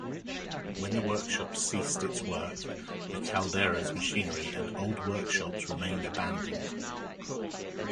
When the workshops ceased its work, the calderas, machinery and old workshops remained abandoned.